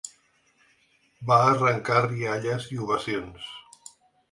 Va arrencar rialles i ovacions.